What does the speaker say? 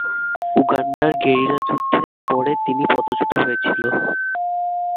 উগান্ডার গেরিলা যুদ্ধের পরে তিনি পদচ্যুত হয়েছিল।